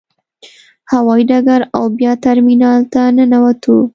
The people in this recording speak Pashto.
هوايي ډګر او بیا ترمینال ته ننوتو.